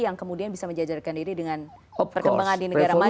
yang kemudian bisa menjajarkan diri dengan perkembangan di negara mana